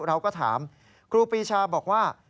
เราก็ถามครูปีชาบอกว่า